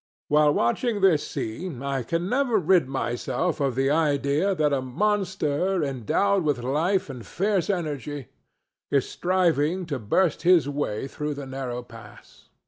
While watching this scene I can never rid myself of the idea that a monster endowed with life and fierce energy is striving to burst his way through the narrow pass.